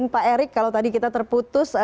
pak erik kalau tadi kita terputus